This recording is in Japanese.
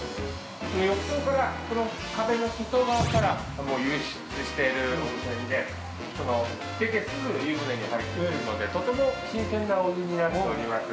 浴槽から壁の外側から湧出している温泉で出てすぐ湯船に入っているのでとても新鮮なお湯になっております。